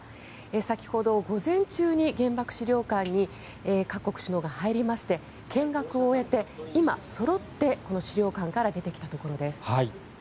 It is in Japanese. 先ほど、午前中に原爆資料館に各国首脳が入りまして見学を終えて今、そろって資料館から出てきたところです。